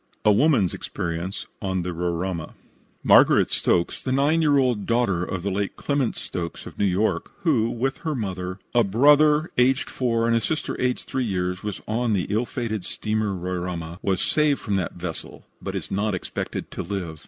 A WOMAN'S EXPERIENCE ON THE "RORAIMA" Margaret Stokes, the 9 year old daughter of the late Clement Stokes, of New York, who, with her mother, a brother aged 4 and a sister aged 3 years, was on the ill fated steamer Roraima, was saved from that vessel, but is not expected to live.